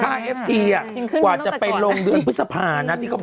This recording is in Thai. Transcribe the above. ค่าเอฟทีกว่าจะไปลงเดือนพฤษภานะ